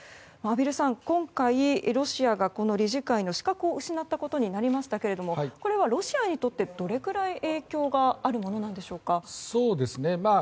畔蒜さん、今回ロシアがこの理事会の資格を失ったことになりましたけれどもこれはロシアにとってどれくらい影響があるものでしょうか。